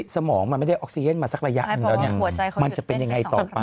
สมองมันไม่ได้ออกซีเย็นมาสักระยะหนึ่งแล้วเนี่ยมันจะเป็นยังไงต่อไป